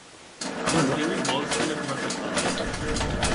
আমরা কেউই বল স্কিলে খুব একটা ভালো নই।